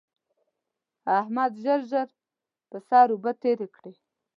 احمد ژر ژر پر سر اوبه تېرې کړې.